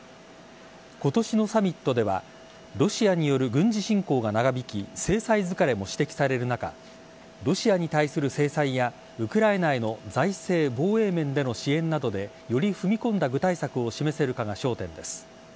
今年のサミットではロシアによる軍事侵攻が長引き制裁疲れも指摘される中ロシアに対する制裁やウクライナへの財政・防衛面での支援などでより踏み込んだ具体策を示せるかが焦点です。